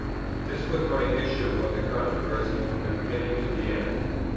This was my issue of the controversy from the beginning to the end.